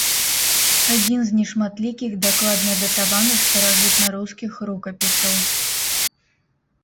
Адзін з нешматлікіх дакладна датаваных старажытнарускіх рукапісаў.